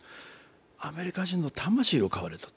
アメリカ人の魂を買われたと。